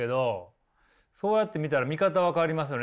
そうやって見たら見方は変わりますよね